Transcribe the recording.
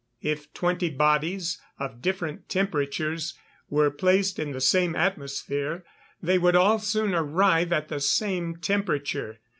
If twenty bodies, of different temperatures, were placed in the same atmosphere, they would all soon arrive at the same temperature.